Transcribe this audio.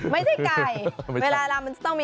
ไม่ใช่ไก่เวลาเรามันจะต้องมี